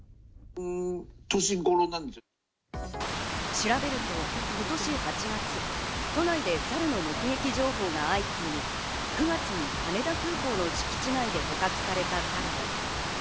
調べると今年８月、都内でサルの目撃情報が相次ぎ、９月に羽田空港の敷地内で捕獲されたサルも。